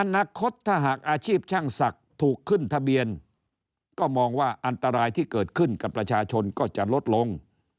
อนาคตถ้าหากอาชีพช่างศักดิ์ถูกขึ้นทะเบียนก็มองว่าอันตรายที่เกิดขึ้นกับประชาชนก็จะลดลง